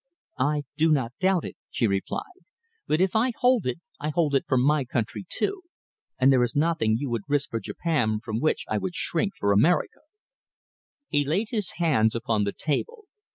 "I do not doubt it," she replied; "but if I hold it, I hold it for my country, too, and there is nothing you would risk for Japan from which I should shrink for America." He laid his hands upon the table.